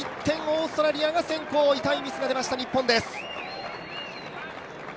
オーストラリアが先行、痛いミスが出ました、日本です。